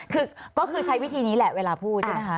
คือก็คือใช้วิธีนี้แหละเวลาพูดใช่ไหมคะ